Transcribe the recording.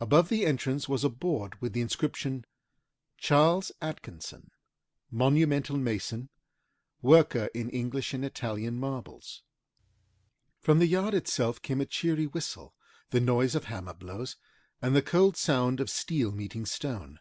Above the entrance was a board with the inscription CHS. ATKINSON, MONUMENTAL MASON WORKER IN ENGLISH AND ITALIAN MARBLES From the yard itself came a cheery whistle, the noise of hammer blows, and the cold sound of steel meeting stone.